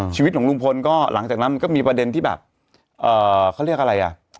พี่หนุ่มพลหลังจากนั้นก็มีประเด็นที่แบบเค้าเรียกอะไรอ่ะ